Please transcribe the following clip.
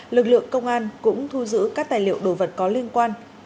lực lượng công an cũng thu giữ các tài liệu đồ vật có liên quan